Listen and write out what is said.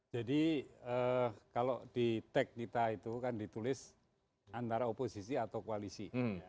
jadi kalau di tag kita itu kan ditulis antara oposisi atau koalisi